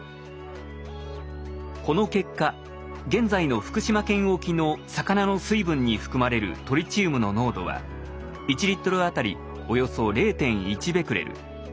この結果現在の福島県沖の魚の水分に含まれるトリチウムの濃度は１あたりおよそ０．１ベクレル。